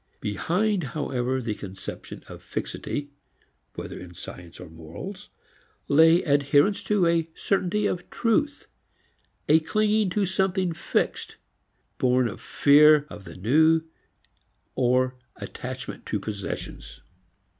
Behind however the conception of fixity whether in science or morals lay adherence to certainty of "truth," a clinging to something fixed, born of fear of the new and of attachment to possessions.